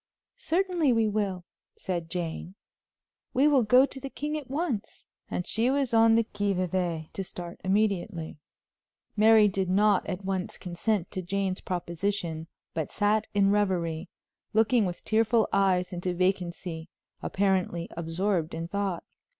"Certainly we will," said Jane; "we will go to the king at once," and she was on the qui vive to start immediately. Mary did not at once consent to Jane's proposition, but sat in a reverie, looking with tearful eyes into vacancy, apparently absorbed in thought.